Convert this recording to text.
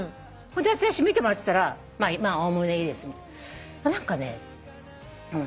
私見てもらってたら「おおむねいいです」何かね。